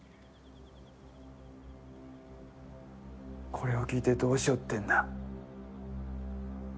これを聞いてどうしようってんだ。